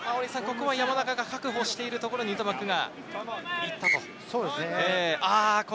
ここは山中が確保しているところにヌタマックが行ったと。